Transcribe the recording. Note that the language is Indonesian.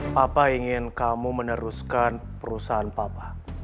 papa ingin kamu meneruskan perusahaan papa